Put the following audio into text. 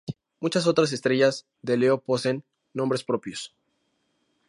Muchas otras estrellas de Leo poseen nombres propios.